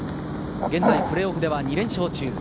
現在プレーオフでは２連勝中。